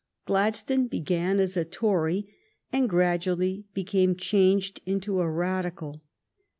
Gladstone began as a Tory, and gradually became changed into a Radical.